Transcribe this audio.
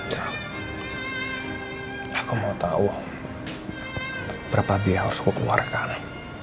kakak kamu ngelepotin aku sekali